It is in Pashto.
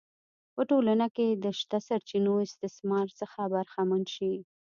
په ټولنه کې د شته سرچینو استثمار څخه برخمن شي.